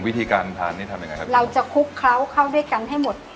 วิธีการทานนี่ทำยังไงครับเราจะคลุกเคล้าเข้าด้วยกันให้หมด